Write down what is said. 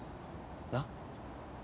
なっ？